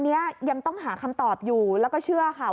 ยังต้องหาคำตอบอยู่แล้วก็เชื่อค่ะ